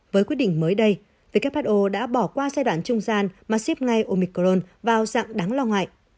với quyết định mới đây who đã bỏ qua giai đoạn trung gian mà ship ngay omicron vào dạng đáng lo ngại